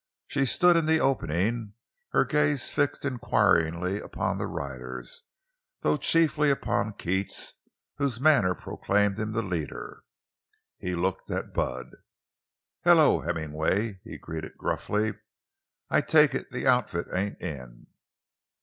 She stood in the opening, her gaze fixed inquiringly upon the riders, though chiefly upon Keats, whose manner proclaimed him the leader. He looked at Bud. "Hello, Hemmingway!" he greeted, gruffly. "I take it the outfit ain't in?"